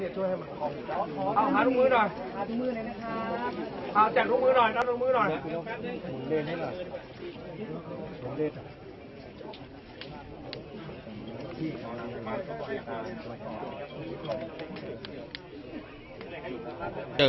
แจ่ลูกมือหน่อย